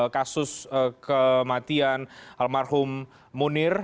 kasus kematian almarhum munir